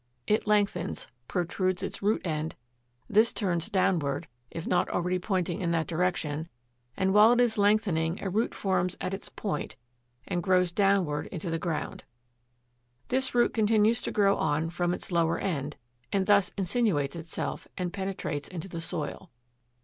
It lengthens, protrudes its root end; this turns downward, if not already pointing in that direction, and while it is lengthening a root forms at its point and grows downward into the ground. This root continues to grow on from its lower end, and thus insinuates itself and penetrates into the soil.